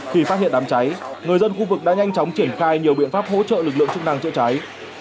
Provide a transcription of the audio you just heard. khi phát hiện đám cháy người dân khu vực đã nhanh chóng triển khai nhiều biện pháp hỗ trợ lực lượng chức năng chữa cháy